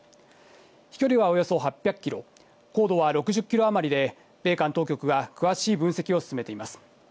飛距離はおよそ８００キロ、高度は６０キロ余りで、米韓当局は詳しい分析を進めています。